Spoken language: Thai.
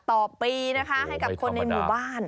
ต่อปีนะคะให้กับคนในหมู่บ้าน